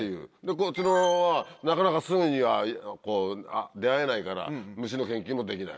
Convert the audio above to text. こっちのほうはなかなかすぐには出合えないから虫の研究もできない。